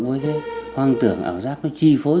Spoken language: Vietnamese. với cái hoang tưởng ảo giác nó chi phối